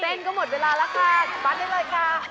เต้นก็หมดเวลาแล้วค่ะปั๊ดได้เลยค่ะ